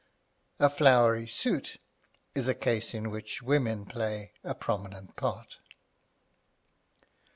A flowery suit is a case in which women play a prominent part.